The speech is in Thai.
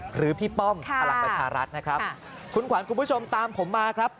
พี่ป้อมพลังประชารัฐนะครับคุณขวัญคุณผู้ชมตามผมมาครับ